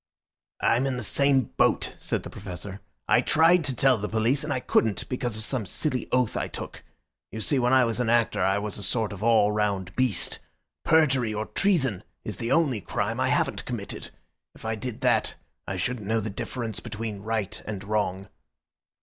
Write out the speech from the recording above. "I'm in the same boat," said the Professor. "I tried to tell the police and I couldn't, because of some silly oath I took. You see, when I was an actor I was a sort of all round beast. Perjury or treason is the only crime I haven't committed. If I did that I shouldn't know the difference between right and wrong."